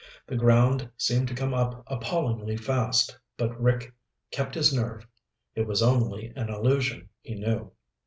The ground seemed to come up appallingly fast, but Rick kept his nerve. It was only an illusion, he knew.